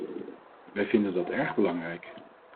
Wij vinden dat erg belangrijk.